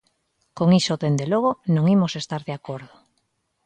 Con iso dende logo non imos estar de acordo.